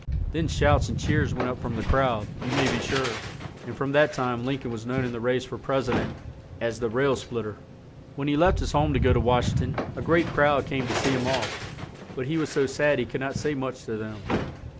Then shouts and cheers went up from the crowd, you may be sure; and from that time Lin coln was known in the race for pres i dent as "The Rail Split ter." When he left his home to go to Wash ing ton, a great crowd came to see him off, but he was so sad he could not say much to them.